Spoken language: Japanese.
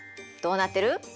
どうなってる？